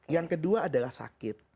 yang kedua adalah sakit